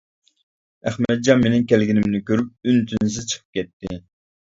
ئەخمەتجان مېنىڭ كەلگىنىمنى كۆرۈپ، ئۈن تىنسىز چىقىپ كەتتى.